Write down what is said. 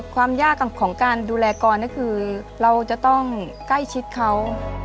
ความยากของการดูแลกรก็คือเราจะต้องใกล้ชิดเขา